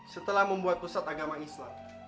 setelah membuat pusat agama islam